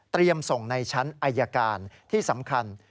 เตรียมส่งในชั้นอัยการที่สำคัญ